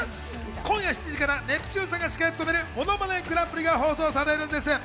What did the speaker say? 今夜７時からネプチューンさんが司会を務める『ものまねグランプリ！』が放送されるんです。